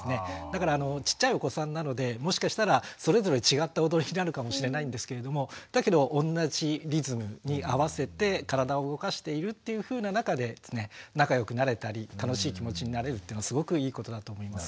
だからちっちゃいお子さんなのでもしかしたらそれぞれ違った踊りになるかもしれないんですけれどもだけどおんなじリズムに合わせて体を動かしているというふうな中で仲良くなれたり楽しい気持ちになれるというのはすごくいいことだと思います。